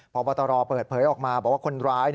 พบตรเปิดเผยออกมาบอกว่าคนร้าย